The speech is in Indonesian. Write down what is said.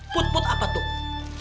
put put apa tuh